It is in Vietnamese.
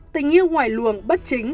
tình yêu ngoài luồng bất chính